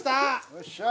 よっしゃ。